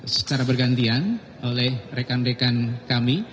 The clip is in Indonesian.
secara bergantian oleh rekan rekan kami